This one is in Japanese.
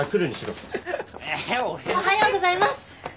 おはようございます！